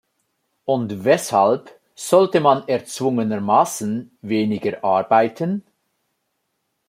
Und weshalb sollte man erzwungenermaßen weniger arbeiten?